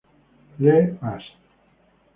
Le Mas